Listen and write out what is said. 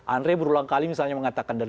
andre berulang kali misalnya mengatakan dan